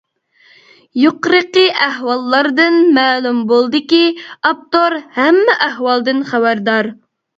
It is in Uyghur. يۇقىرىقى ئەھۋاللاردىن مەلۇم بولدىكى، ئاپتور ھەممە ئەھۋالدىن خەۋەردار.